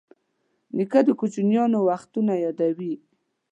نیکه د کوچیانو وختونه یادوي.